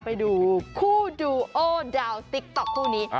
ไปดูคู่ดูโอดาวติ๊กต๊อกคู่นี้